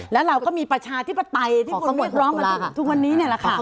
แล้วเราก็มีประชาธิปไตยที่คุณเรียกร้องกันทุกวันนี้เนี่ยแหละค่ะ